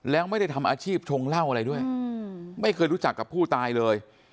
แล้วไม่ได้ทำอาชีพชงเหล้าอะไรด้วยไม่เคยรู้จักกับผู้ตายเลย